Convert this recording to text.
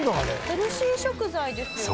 「ヘルシー食材ですよね」